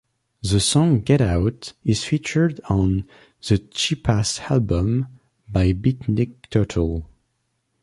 The song "Get Out" is featured on "The Cheapass Album" by Beatnik Turtle.